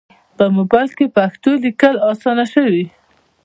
په موبایل کې پښتو لیکل اسانه شوي.